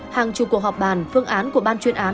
hàng chục cuộc họp bàn phương án của ban chuyên án